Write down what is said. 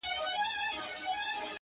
گوره ځوانـيمـرگ څه ښـه وايــي.